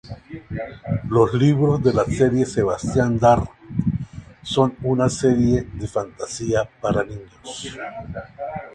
Los libros de la serie Sebastian Darke son una serie de fantasía para niños.